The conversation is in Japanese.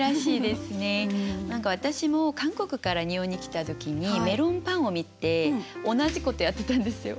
何か私も韓国から日本に来た時にメロンパンを見て同じことやってたんですよ。